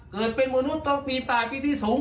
เกิดเป็นมนุษย์ต้องปี๘ปีที่๒